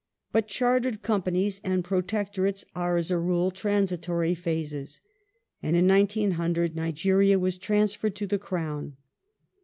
But Chartered companies and Pro tectorates are, as a rule, transitory phases, and in 1900 Nigeria was transferred to the Crown.